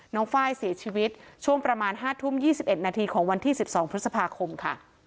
ไฟล์เสียชีวิตช่วงประมาณ๕ทุ่ม๒๑นาทีของวันที่๑๒พฤษภาคมค่ะ